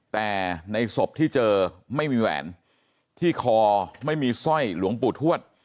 แต่ในศพที่เจอไม่มีแหวนที่คอไม่มีสร้อยหลวงปู่ทวด